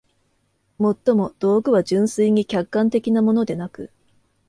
尤も、道具は純粋に客観的なものでなく、